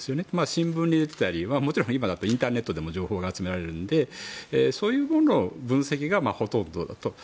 新聞に載ってたりもちろん今、インターネットでも情報が集められるのでそういうものの分析がほとんどだと。